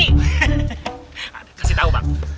kasih tau bang